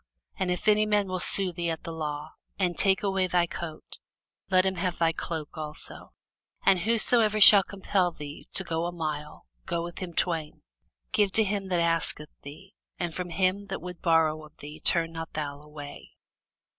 And if any man will sue thee at the law, and take away thy coat, let him have thy cloke also. And whosoever shall compel thee to go a mile, go with him twain. Give to him that asketh thee, and from him that would borrow of thee turn not thou away.